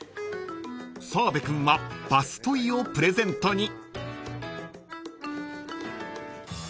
［澤部君はバストイをプレゼントに］